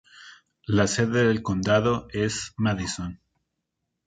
La sede del condado es Madison.